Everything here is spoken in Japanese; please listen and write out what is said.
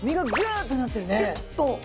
ギュッと！